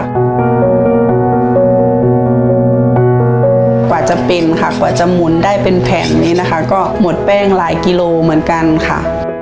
กว่าจะเป็นค่ะกว่าจะหมุนได้เป็นแผ่นนี้นะคะก็หมดแป้งหลายกิโลเหมือนกันค่ะ